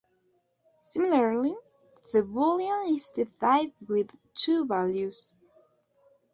Similarly, the Boolean is the type with "two" values.